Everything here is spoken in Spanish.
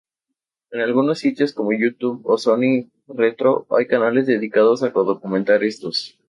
En algunos sitios, como Youtube o Sonic Retro, hay canales dedicados a documentar estos.